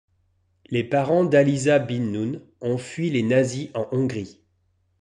Les parents d'Aliza Bin-Noun ont fui les nazis en Hongrie.